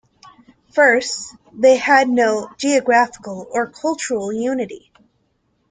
First, they had no geographical or cultural unity.